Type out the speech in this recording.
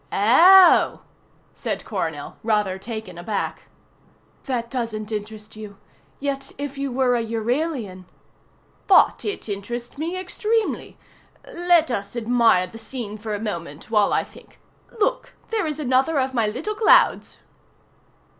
"Oh!" said Coronel, rather taken aback. "That doesn't interest you. Yet if you were a Euralian " "But it interests me extremely. Let us admire the scene for a moment, while I think. Look, there is another of my little clouds."